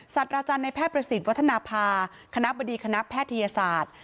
อาจารย์ในแพทย์ประสิทธิ์วัฒนภาคณะบดีคณะแพทยศาสตร์